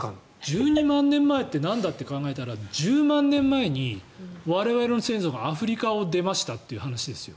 １２万年前ってなんだって考えたら１０万年前に我々の先祖がアフリカを出ましたという話ですよ。